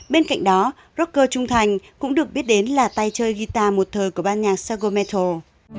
bên cạnh đó rocker trung thành cũng được biết đến là tay chơi guitar một thời của ban nhạc sagometro